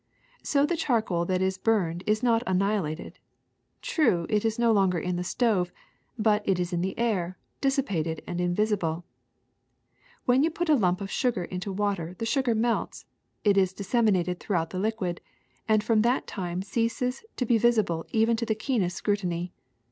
''So the charcoal that is burned is not annihilated. True, it is no longer in the stove ; but it is in the air, dissipated and invisible. When you put a lump of sugar into water the sugar melts, is disseminated throughout the liquid, and from that time ceases to be visible even to the keenest scrutiny.